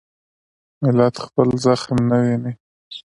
ملت خپل زخم نه ویني.